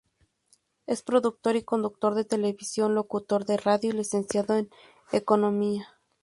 Es productor y conductor de televisión, locutor de radio y Licenciado en Economía.